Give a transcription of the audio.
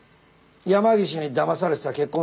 山岸にだまされてた結婚